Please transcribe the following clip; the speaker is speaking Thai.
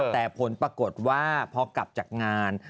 แต่ผลปรากฏว่าพอกลับจากงาน